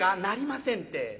「なりませんって。